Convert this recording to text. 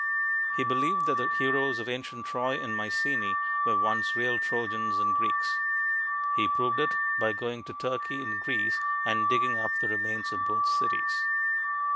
He believed that the heroes of ancient Troy and Mycenae were once real Trojans and Greeks. He proved it by going to Turkey and Greece and digging up the remains of both cities.